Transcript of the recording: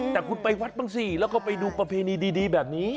แต่คุณไปวัดบ้างสิแล้วก็ไปดูประเพณีดีแบบนี้